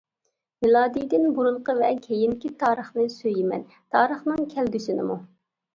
مىلادىدىن بۇرۇنقى ۋە كېيىنكى تارىخنى سۆيىمەن تارىخنىڭ كەلگۈسىنىمۇ.